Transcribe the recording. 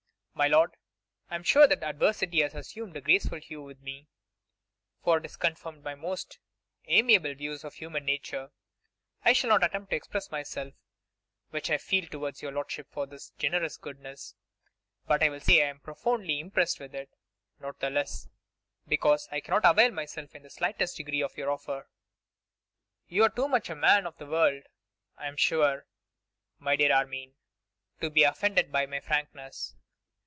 'My lord, I am sure that adversity has assumed a graceful hue with me, for it has confirmed my most amiable views of human nature. I shall not attempt to express what I feel towards your lordship for this generous goodness, but I will say I am profoundly impressed with it; not the less, because I cannot avail myself in the slightest degree of your offer.' 'You are too much a man of the world, I am sure, my dear Armine, to be offended by my frankness.